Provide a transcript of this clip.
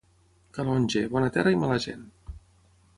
Calonge, bona terra i mala gent.